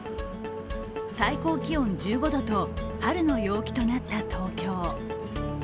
最高気温１５度と春の陽気となった東京。